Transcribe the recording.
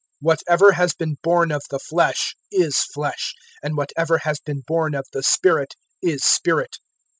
003:006 Whatever has been born of the flesh is flesh, and whatever has been born of the Spirit is spirit.